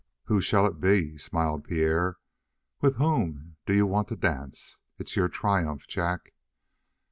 "Who shall it be?" smiled Pierre. "With whom do you want to dance? It's your triumph, Jack."